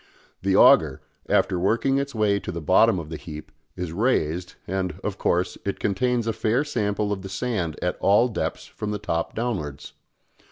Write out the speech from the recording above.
The auger, after working its way to the bottom of the heap, is raised, and, of course, it contains a fair sample of the sand at all depths from the top downwards.